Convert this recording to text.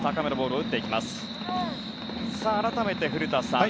改めて古田さん